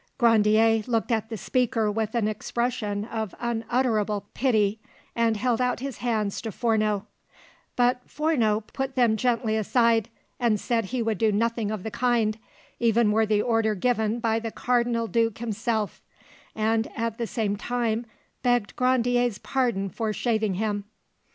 Grandier looked at the speaker with an expression of unutterable pity, and held out his hands to Fourneau; but Forneau put them gently aside, and said he would do nothing of the kind, even were the order given by the cardinal duke himself, and at the same time begged Grandier's pardon for shaving him.